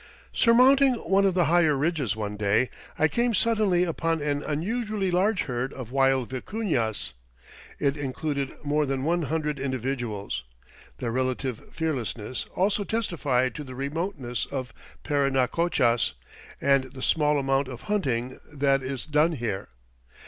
Surmounting one of the higher ridges one day, I came suddenly upon an unusually large herd of wild vicuñas. It included more than one hundred individuals. Their relative fearlessness also testified to the remoteness of Parinacochas and the small amount of hunting that is done here.